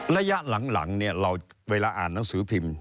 ระยะหลังเนี่ยเราเวลาอ่านหนังสือพิมพ์